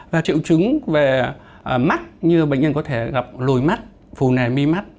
và triệu chứng về mắt như bệnh nhân có thể gặp lồi mắt phù nề mi mắt